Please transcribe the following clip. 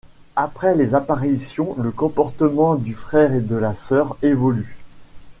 Après les apparitions, le comportement du frère et de la sœur évoluent.